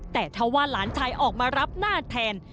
แต่ถ้าว่าหลานชายออกมารับหน้าแทน